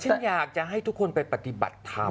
ฉันอยากจะให้ทุกคนไปปฏิบัติธรรม